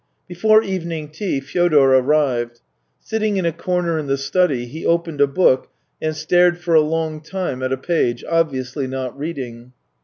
Before evening tea Fyodor arrived. Sitting in a corner in the study, he opened a book and stared for a long time at a page, obviously not reading.